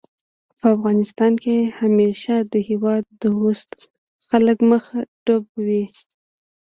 په افغانستان کې همېشه د هېواد دوستو خلکو مخه ډب وي